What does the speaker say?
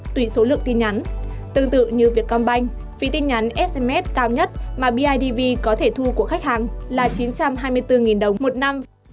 tương tự như vietcombank phí tin nhắn sms cao nhất mà bidv có thể thu của khách hàng là chín trăm hai mươi bốn đồng một năm